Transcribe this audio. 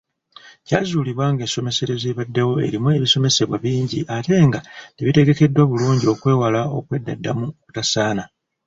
Kyazuulibwa ng'ensomeserezo ebaddewo erimu ebisomesebwa bingi ate nga tebitegekeddwa bulungi okwewala okweddaddamu okutasaana.